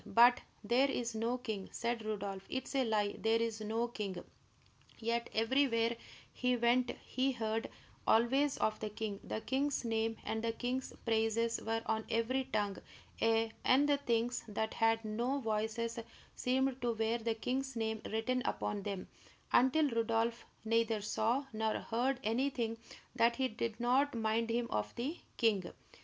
"But there is no king!" cried Rodolph. "It is a lie; there is no king!" Yet everywhere he went he heard always of the king; the king's name and the king's praises were on every tongue; ay, and the things that had no voices seemed to wear the king's name written upon them, until Rodolph neither saw nor heard anything that did not mind him of the king.